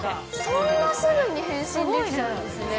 そんなすぐに変身できちゃうんですね。